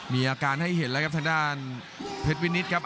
มีอาการให้เห็นแล้วครับทางด้านเพชรวินิตครับ